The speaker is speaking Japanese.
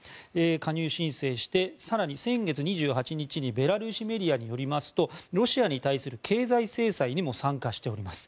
加入申請して、更に先月２８日にベラルーシメディアによりますとロシアに対する経済制裁にも参加しております。